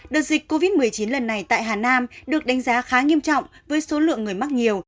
đợt dịch covid một mươi chín lần này tại hà nam được đánh giá khá nghiêm trọng với số lượng người mắc nhiều